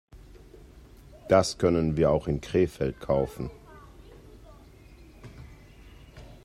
Das können wir auch in Krefeld kaufen